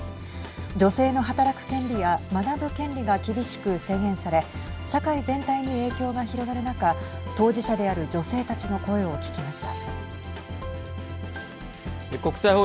女性の働く権利や学ぶ権利が厳しく制限され、社会全体に影響が広がる中、当事者である女性たちの声を聞きました。